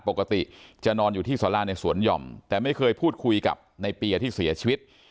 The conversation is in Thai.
ปกติจะนอนอยู่ที่สาราในสวนหย่อมแต่ไม่เคยพูดคุยกับในเปียที่เสียชีวิต